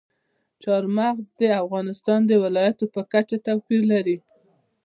چار مغز د افغانستان د ولایاتو په کچه توپیر لري.